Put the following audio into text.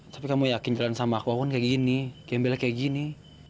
tapi kamu yakin jalan sama aku akun kayak gini gembelnya kayak gini